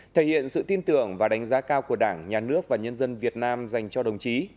thể hiện sự tin tưởng và đánh giá cao của đảng nhà nước và nhân dân việt nam dành cho đồng chí